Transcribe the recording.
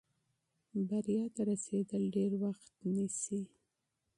بریا ته رسېدل ډېر وخت نیسي.